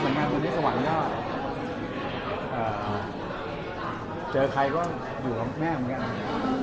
วันนี้สวรรค์เจอใครก็อยู่กับแม่ของเขา